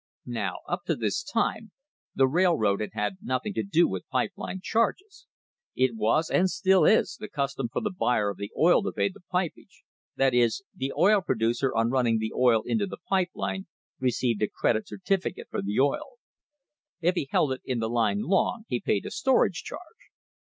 Now up to this time the railroad had had nothing to do with pipe line charges. It was, and still is, the custom for the buyer of the oil to pay the pipage, that is, the oil producer on running the oil into the pipe line received a credit certificate for the oil. If he held it in the line long he paid a storage charge.